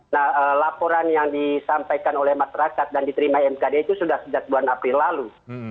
nah laporan yang disampaikan oleh masyarakat dan diterima mkd itu sudah sejak bulan april lalu